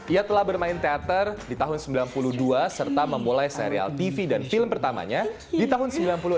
ia telah bermain teater di tahun sembilan puluh dua serta memulai serial tv dan film pertamanya di tahun seribu sembilan ratus enam puluh